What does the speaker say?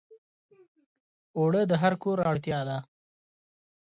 اوړه د هر کور اړتیا ده